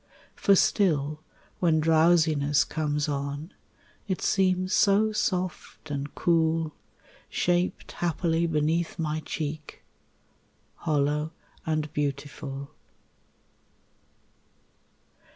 For still when drowsiness comes on It seems so soft and cool, Shaped happily beneath my cheek, Hollow and beautiful.